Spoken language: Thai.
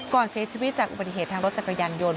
ก่อนเสียชีวิตจากอุบัติเหตุทางรถจักรยานยนต์